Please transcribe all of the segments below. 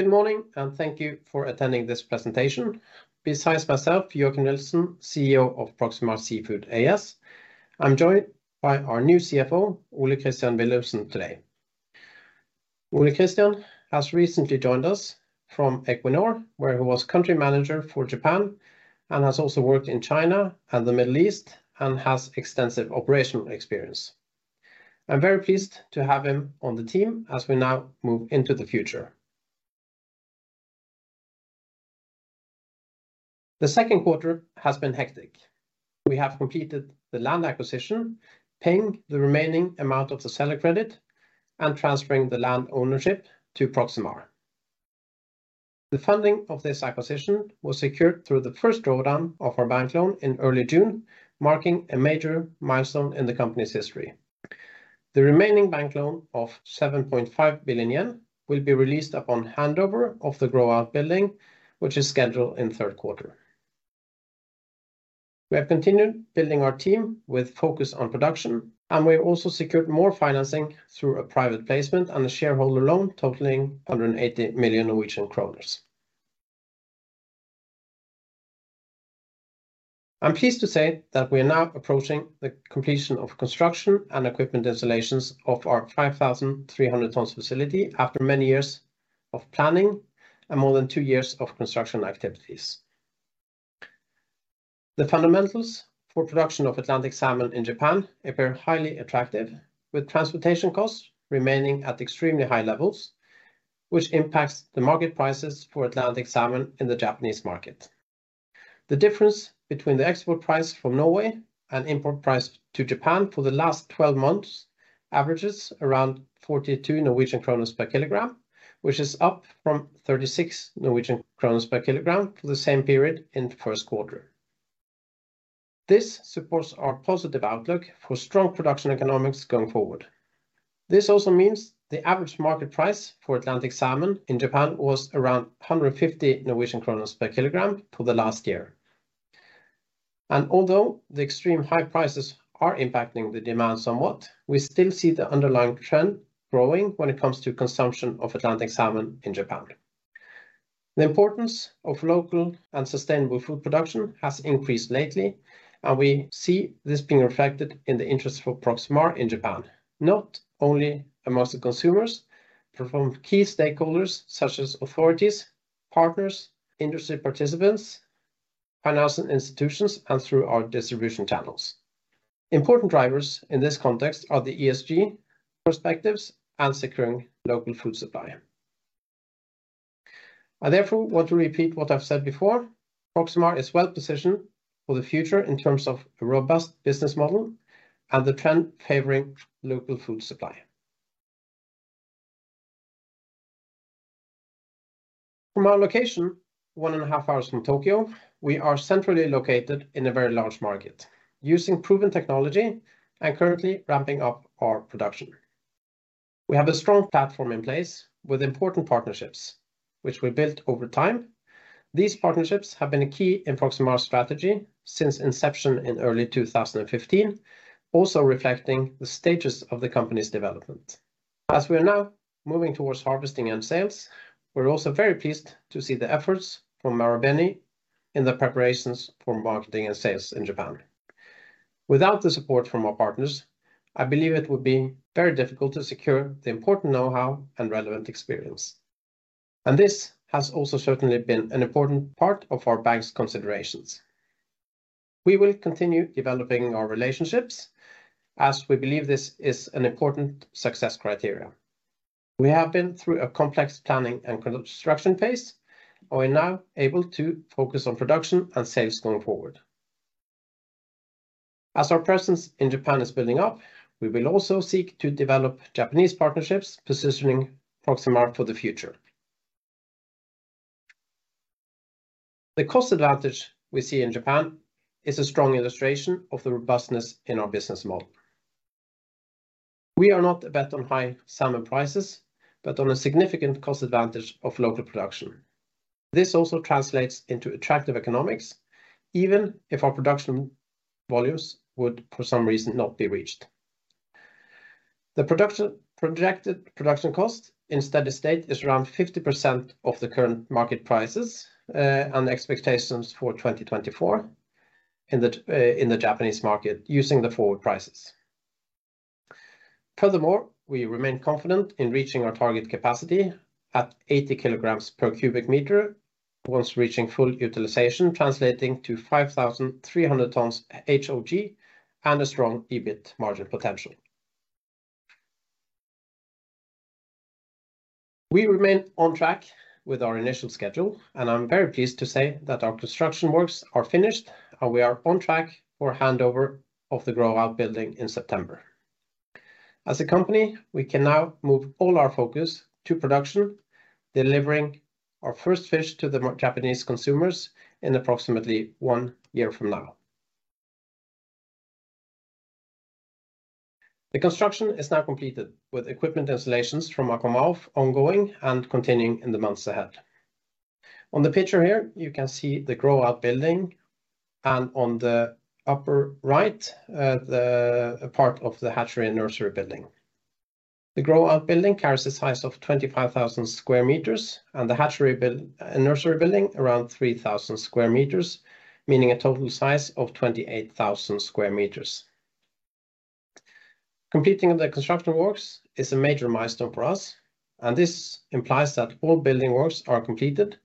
Good morning. Thank you for attending this presentation. Besides myself, Joachim Nielsen, CEO of Proximar Seafood AS, I'm joined by our new CFO, Ole Christian Willumsen today. Ole Christian has recently joined us from Equinor, where he was country manager for Japan, and has also worked in China and the Middle East, and has extensive operational experience. I'm very pleased to have him on the team as we now move into the future. The second quarter has been hectic. We have completed the land acquisition, paying the remaining amount of the seller credit, and transferring the land ownership to Proximar. The funding of this acquisition was secured through the first drawdown of our bank loan in early June, marking a major milestone in the company's history. The remaining bank loan of 7.5 billion yen will be released upon handover of the grow-out building, which is scheduled in third quarter. We have continued building our team with focus on production, and we have also secured more financing through a private placement and a shareholder loan totaling 180 million Norwegian kroner. I'm pleased to say that we are now approaching the completion of construction and equipment installations of our 5,300 tons facility after many years of planning and more than two years of construction activities. The fundamentals for production of Atlantic salmon in Japan appear highly attractive, with transportation costs remaining at extremely high levels, which impacts the market prices for Atlantic salmon in the Japanese market. The difference between the export price from Norway and import price to Japan for the last 12 months averages around 42 per kilogram, which is up from 36 per kilogram for the same period in the first quarter. This supports our positive outlook for strong production economics going forward. This also means the average market price for Atlantic salmon in Japan was around 150 per kilogram for the last year. Although the extreme high prices are impacting the demand somewhat, we still see the underlying trend growing when it comes to consumption of Atlantic salmon in Japan. The importance of local and sustainable food production has increased lately. We see this being reflected in the interest for Proximar in Japan, not only amongst the consumers, but from key stakeholders such as authorities, partners, industry participants, financial institutions, and through our distribution channels. Important drivers in this context are the ESG perspectives and securing local food supply. I therefore want to repeat what I've said before, Proximar is well-positioned for the future in terms of a robust business model and the trend favoring local food supply. From our location, 1.5 hours from Tokyo, we are centrally located in a very large market, using proven technology and currently ramping up our production. We have a strong platform in place with important partnerships, which we built over time. These partnerships have been a key in Proximar's strategy since inception in early 2015, also reflecting the stages of the company's development. As we are now moving towards harvesting and sales, we're also very pleased to see the efforts from Marubeni in the preparations for marketing and sales in Japan. Without the support from our partners, I believe it would be very difficult to secure the important know-how and relevant experience. This has also certainly been an important part of our bank's considerations. We will continue developing our relationships, as we believe this is an important success criteria. We have been through a complex planning and construction phase. We're now able to focus on production and sales going forward. As our presence in Japan is building up, we will also seek to develop Japanese partnerships, positioning Proximar for the future. The cost advantage we see in Japan is a strong illustration of the robustness in our business model. We are not a bet on high salmon prices, but on a significant cost advantage of local production. This also translates into attractive economics, even if our production volumes would, for some reason, not be reached. The projected production cost in steady state is around 50% of the current market prices and the expectations for 2024 in the Japanese market using the forward prices. Furthermore, we remain confident in reaching our target capacity at 80 kilograms per cubic meter once reaching full utilization, translating to 5,300 tons HOG and a strong EBIT margin potential. We remain on track with our initial schedule, and I'm very pleased to say that our construction works are finished, and we are on track for handover of the grow-out building in September. As a company, we can now move all our focus to production, delivering our first fish to the Japanese consumers in approximately one year from now. The construction is now completed, with equipment installations from AquaMaof ongoing and continuing in the months ahead. On the picture here, you can see the grow-out building, and on the upper right, a part of the hatchery and nursery building. The grow-out building carries a size of 25,000 square meters, and the hatchery nursery building, around 3,000 square meters, meaning a total size of 28,000 square meters. Completing the construction works is a major milestone for us. This implies that all building works are completed,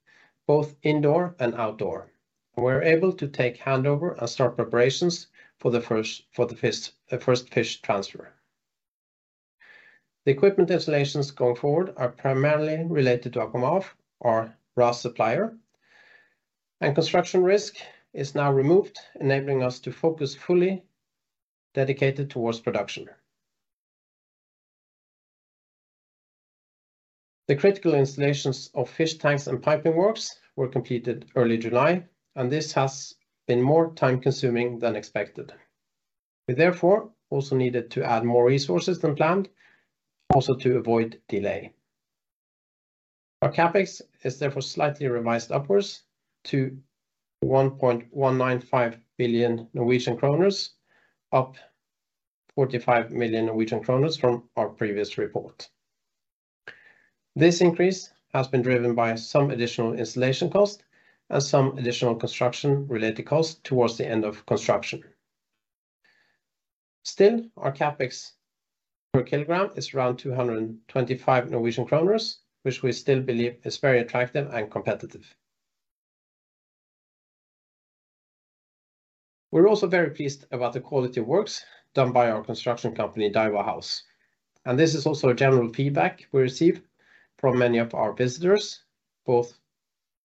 both indoor and outdoor. We're able to take handover and start preparations for the first fish transfer. The equipment installations going forward are primarily related to AquaMaof, our RAS supplier, and construction risk is now removed, enabling us to focus fully dedicated towards production. The critical installations of fish tanks and piping works were completed early July, and this has been more time-consuming than expected. We therefore also needed to add more resources than planned, also to avoid delay. Our CapEx is therefore slightly revised upwards to 1.195 billion Norwegian kroner, up 45 million Norwegian kroner from our previous report. This increase has been driven by some additional installation costs and some additional construction-related costs towards the end of construction. Still, our CapEx per kilogram is around 225 Norwegian kroner, which we still believe is very attractive and competitive. We're also very pleased about the quality of works done by our construction company, Daiwa House, and this is also a general feedback we receive from many of our visitors, both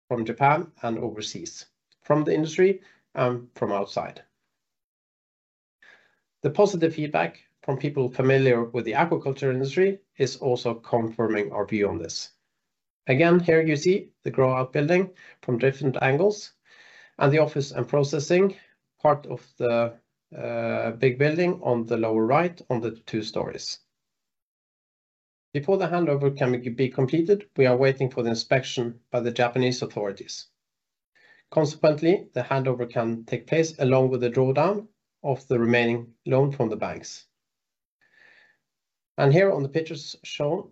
from Japan and overseas, from the industry and from outside. The positive feedback from people familiar with the aquaculture industry is also confirming our view on this. Again, here you see the grow-out building from different angles and the office and processing part of the big building on the lower right on the two stories. Before the handover can be completed, we are waiting for the inspection by the Japanese authorities. Consequently, the handover can take place along with the drawdown of the remaining loan from the banks. Here on the pictures shown,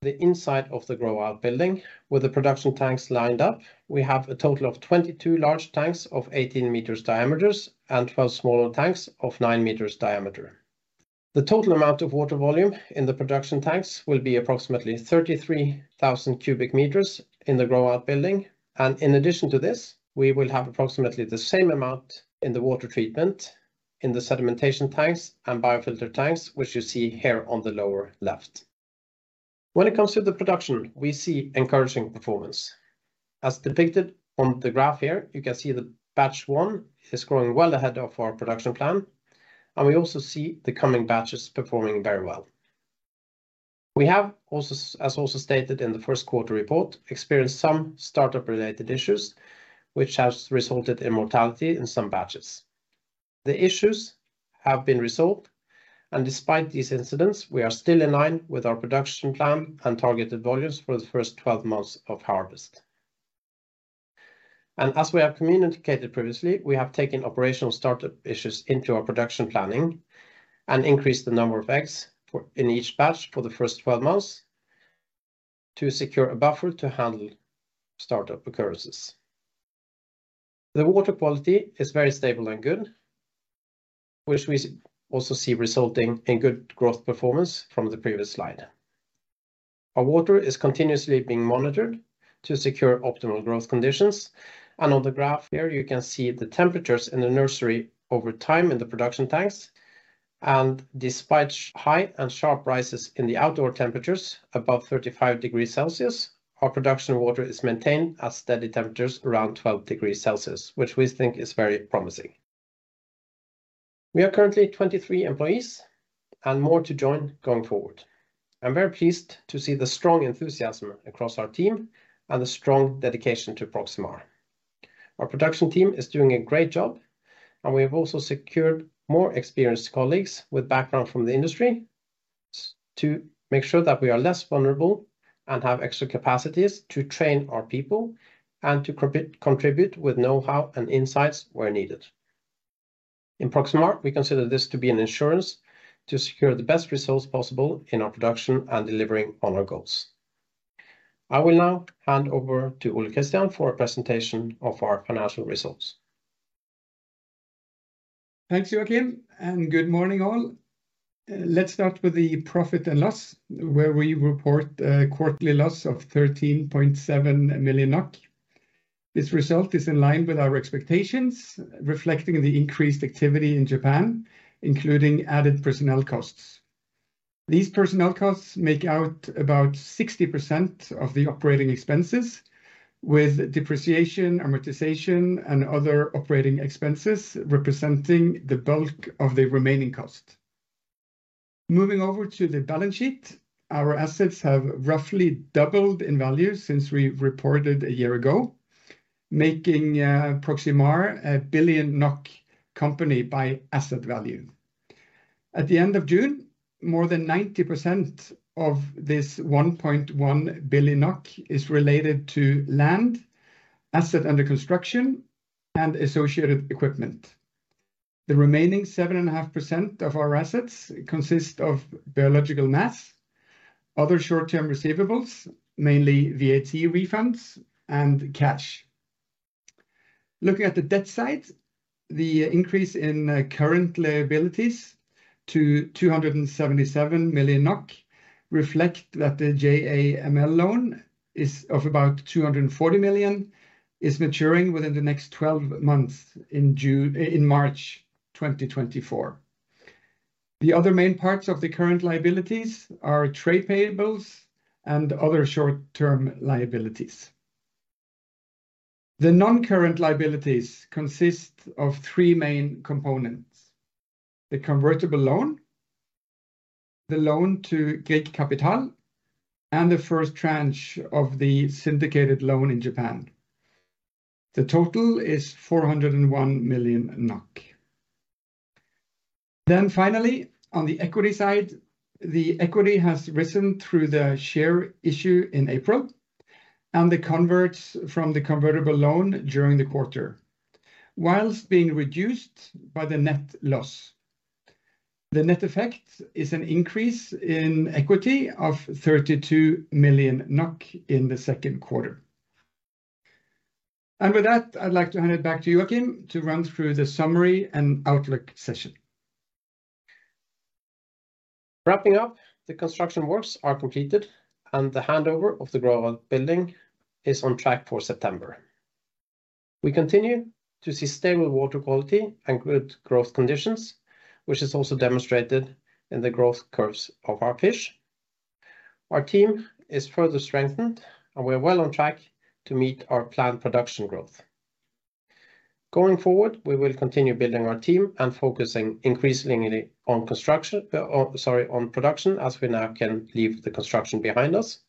the inside of the grow-out building, with the production tanks lined up. We have a total of 22 large tanks of 18 meters diameters and 12 smaller tanks of 9 meters diameter. The total amount of water volume in the production tanks will be approximately 33,000 cubic meters in the grow-out building, and in addition to this, we will have approximately the same amount in the water treatment, in the sedimentation tanks and biofilter tanks, which you see here on the lower left. When it comes to the production, we see encouraging performance. As depicted on the graph here, you can see that batch one is growing well ahead of our production plan, and we also see the coming batches performing very well. We have also, as also stated in the first quarter report, experienced some startup-related issues, which has resulted in mortality in some batches. The issues have been resolved, and despite these incidents, we are still in line with our production plan and targeted volumes for the first 12 months of harvest. As we have communicated previously, we have taken operational startup issues into our production planning and increased the number of eggs for, in each batch for the first 12 months to secure a buffer to handle startup occurrences. The water quality is very stable and good, which we also see resulting in good growth performance from the previous slide. Our water is continuously being monitored to secure optimal growth conditions, and on the graph here, you can see the temperatures in the nursery over time in the production tanks. Despite high and sharp rises in the outdoor temperatures above 35 degrees Celsius, our production water is maintained at steady temperatures around 12 degrees Celsius, which we think is very promising. We are currently 23 employees, and more to join going forward. I'm very pleased to see the strong enthusiasm across our team and the strong dedication to Proximar. Our production team is doing a great job, and we have also secured more experienced colleagues with background from the industry to make sure that we are less vulnerable and have extra capacities to train our people and to contribute with know-how and insights where needed. In Proximar, we consider this to be an insurance to secure the best results possible in our production and delivering on our goals. I will now hand over to Ole Christian for a presentation of our financial results. Thanks, Joachim, and good morning, all. Let's start with the profit and loss, where we report a quarterly loss of 13.7 million NOK. This result is in line with our expectations, reflecting the increased activity in Japan, including added personnel costs. These personnel costs make out about 60% of the operating expenses, with depreciation, amortization, and other operating expenses representing the bulk of the remaining cost. Moving over to the balance sheet, our assets have roughly doubled in value since we reported a year ago, making Proximar a 1 billion NOK company by asset value. At the end of June, more than 90% of this 1.1 billion NOK is related to land, asset under construction, and associated equipment. The remaining 7.5% of our assets consist of biological mass, other short-term receivables, mainly VAT refunds, and cash. Looking at the debt side, the increase in current liabilities to 277 million NOK reflect that the JAML loan is of about 240 million, is maturing within the next 12 months, in March 2024. The other main parts of the current liabilities are trade payables and other short-term liabilities. The non-current liabilities consist of three main components: the convertible loan, the loan to Grieg Kapital, and the first tranche of the syndicated loan in Japan. The total is 401 million NOK. Finally, on the equity side, the equity has risen through the share issue in April, and the converts from the convertible loan during the quarter, whilst being reduced by the net loss. The net effect is an increase in equity of 32 million NOK in the second quarter. With that, I'd like to hand it back to Joachim to run through the summary and outlook session. Wrapping up, the construction works are completed, and the handover of the grow-out building is on track for September. We continue to see stable water quality and good growth conditions, which is also demonstrated in the growth curves of our fish. Our team is further strengthened, and we're well on track to meet our planned production growth. Going forward, we will continue building our team and focusing increasingly on construction, sorry, on production, as we now can leave the construction behind us.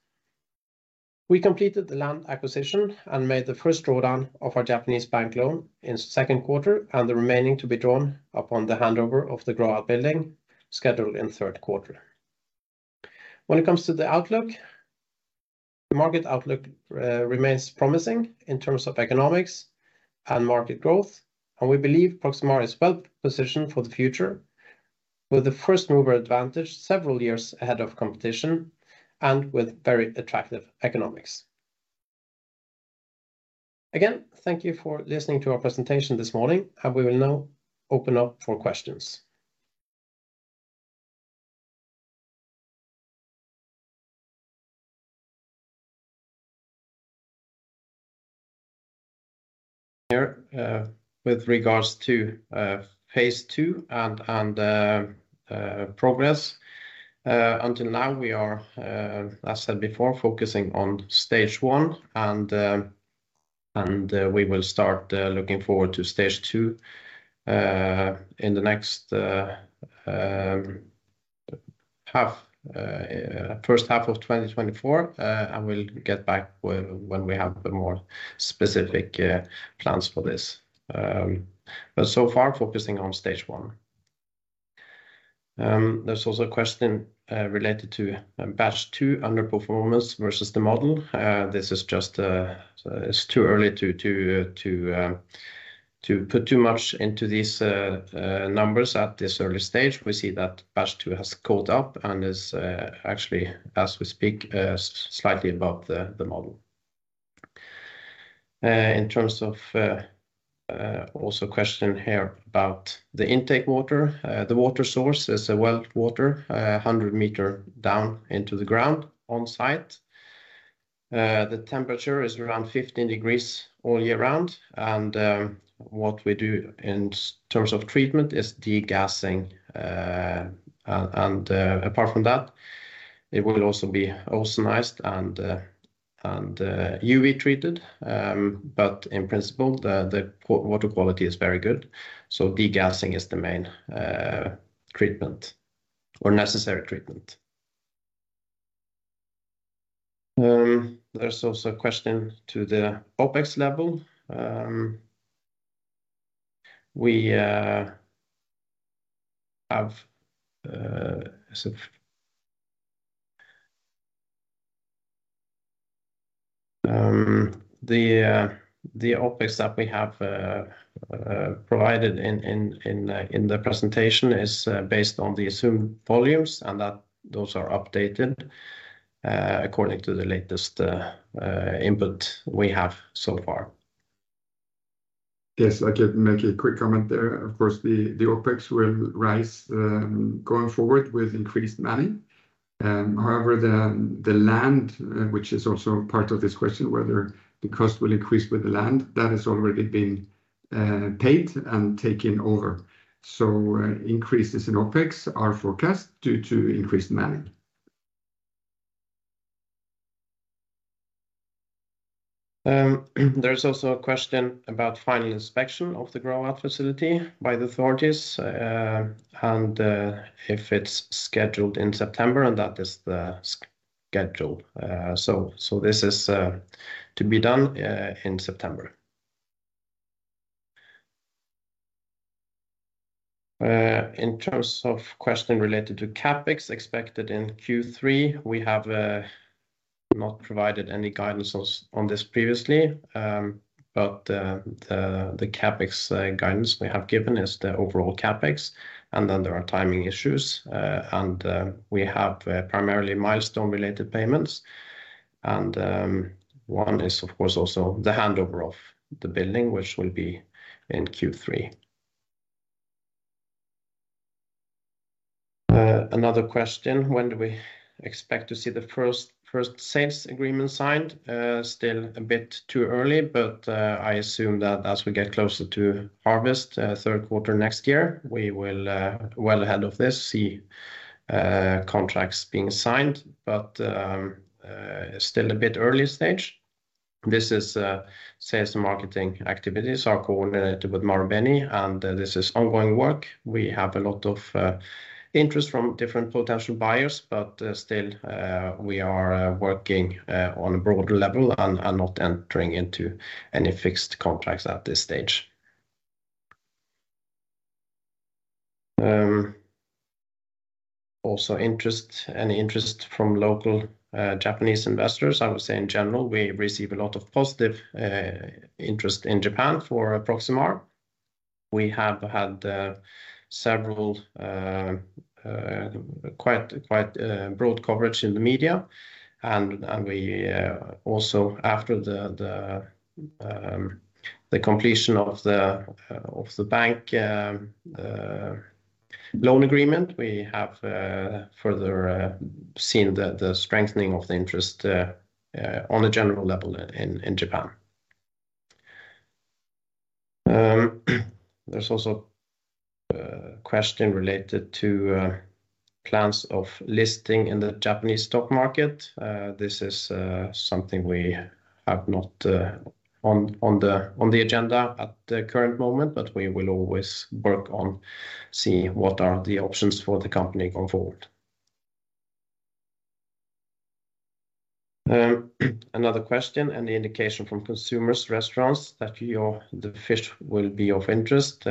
We completed the land acquisition and made the first drawdown of our Japanese bank loan in second quarter, and the remaining to be drawn upon the handover of the grow-out building, scheduled in third quarter. When it comes to the outlook, the market outlook remains promising in terms of economics and market growth. We believe Proximar is well-positioned for the future, with the first-mover advantage several years ahead of competition and with very attractive economics. Again, thank you for listening to our presentation this morning. We will now open up for questions. Here, with regards to phase II and progress. Until now, we are, as said before, focusing on stage one, and we will start looking forward to stage two in the next first half of 2024. We'll get back when we have the more specific plans for this. So far, focusing on stage one. There's also a question related to batch two underperformance versus the model. This is just, it's too early to, to, to put too much into these numbers at this early stage. We see that batch two has caught up and is, actually, as we speak, slightly above the, the model. In terms of, also a question here about the intake water. The water source is a well water, 100 meters down into the ground on site. The temperature is around 15 degrees all year round, and what we do in terms of treatment is degassing, and apart from that, it will also be ozonized and UV treated. But in principle, the, the water quality is very good, so degassing is the main treatment or necessary treatment. There's also a question to the OpEx level. We have the OpEx that we have provided in the presentation is based on the assumed volumes, and that those are updated according to the latest input we have so far. Yes, I can make a quick comment there. Of course, the, the OpEx will rise, going forward with increased manning. However, the, the land, which is also part of this question, whether the cost will increase with the land that has already been, paid and taken over. Increases in OpEx are forecast due to increased manning. There's also a question about final inspection of the grow-out facility by the authorities, if it's scheduled in September, and that is the schedule. This is to be done in September. In terms of questioning related to CapEx expected in Q3, we have not provided any guidance on this previously. The CapEx guidance we have given is the overall CapEx, and then there are timing issues. We have primarily milestone-related payments. One is, of course, also the handover of the building, which will be in Q3. Another question: When do we expect to see the first, first sales agreement signed? Still a bit too early, but I assume that as we get closer to harvest, third quarter next year, we will, well ahead of this, see contracts being signed. Still a bit early stage. This is, sales and marketing activities are coordinated with Marubeni, and this is ongoing work. We have a lot of interest from different potential buyers, but still, we are working on a broader level and not entering into any fixed contracts at this stage. Also interest, any interest from local, Japanese investors. I would say in general, we receive a lot of positive interest in Japan for Proximar. We have had several, quite broad coverage in the media. We also after the completion of the bank loan agreement, we have further seen the strengthening of the interest on a general level in Japan. There's also a question related to plans of listing in the Japanese stock market. This is something we have not on the agenda at the current moment, but we will always work on, see what are the options for the company going forward. Another question, any indication from consumers, restaurants, that the fish will be of interest?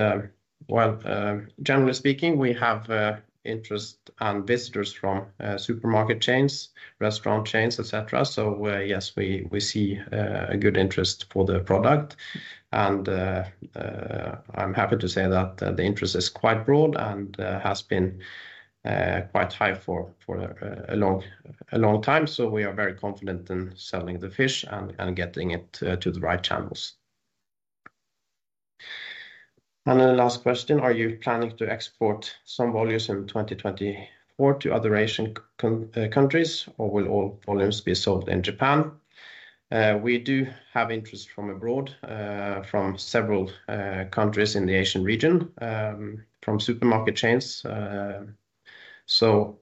Well, generally speaking, we have interest and visitors from supermarket chains, restaurant chains, et cetera. Yes, we see a good interest for the product. I'm happy to say that the interest is quite broad and has been quite high for a long, a long time. We are very confident in selling the fish and getting it to the right channels. The last question: Are you planning to export some volumes in 2024 to other Asian countries, or will all volumes be sold in Japan? We do have interest from abroad, from several countries in the Asian region, from supermarket chains.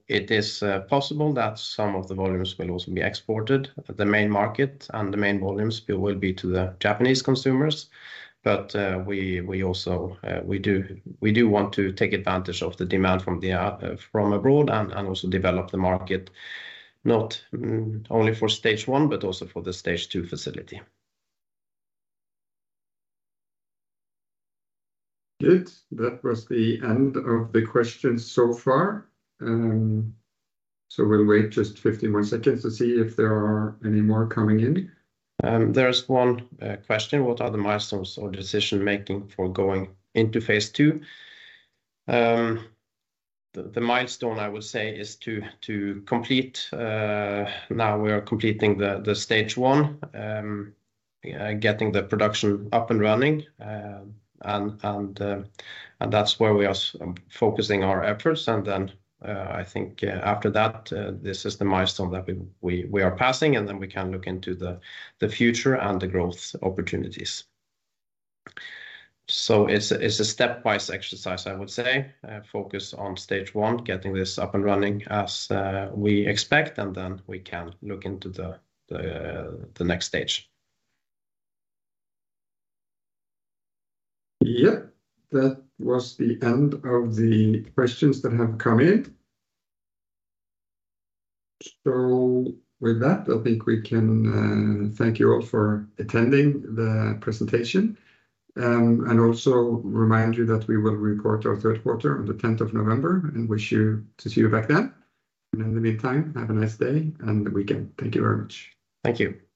It is possible that some of the volumes will also be exported. The main market and the main volumes will, will be to the Japanese consumers, we, we also, we do, we do want to take advantage of the demand from the from abroad and, and also develop the market, not only for stage one, but also for the stage two facility. Good. That was the end of the questions so far. We'll wait just 15 more seconds to see if there are any more coming in. There's one question: What are the milestones or decision-making for going into phase II? The, the milestone, I would say, is to, to complete. Now we are completing the, the stage one, getting the production up and running. That's where we are focusing our efforts. I think, after that, this is the milestone that we, we, we are passing, and then we can look into the, the future and the growth opportunities. It's a, it's a stepwise exercise, I would say. Focus on stage one, getting this up and running as we expect, and then we can look into the, the, the next stage. Yep. That was the end of the questions that have come in. With that, I think we can thank you all for attending the presentation. Also remind you that we will report our third quarter on the tenth of November, and wish you to see you back then. In the meantime, have a nice day and weekend. Thank you very much. Thank you.